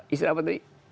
istilah apa tadi